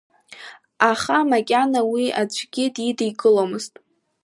Аха макьана уи аӡәгьы дидикыломызт.